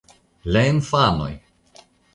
La infanoj!